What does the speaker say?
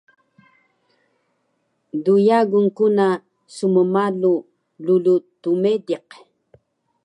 dyagun kuna smmalu rulu tmediq